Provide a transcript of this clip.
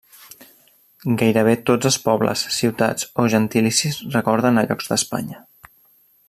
Gairebé tots els pobles, ciutats o gentilicis recorden a llocs d'Espanya.